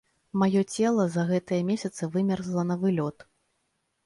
Маё цела за гэтыя месяцы вымерзла навылёт.